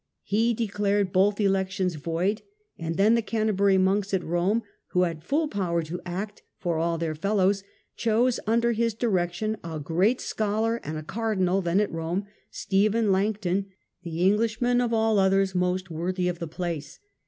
He declared both elections void, and then the Canterbury monks at Rome, who had full power to' act for all their fellows, chose under his direction a great scholar and a cardinal, then at Rome, Stephen Langton, the Englishman of all others most worthy of the place.